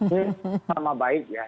ini sama baik ya